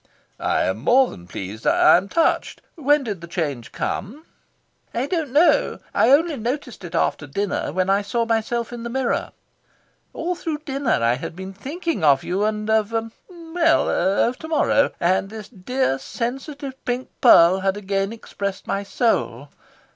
"I am more than pleased. I am touched. When did the change come?" "I don't know. I only noticed it after dinner, when I saw myself in the mirror. All through dinner I had been thinking of you and of well, of to morrow. And this dear sensitive pink pearl had again expressed my soul.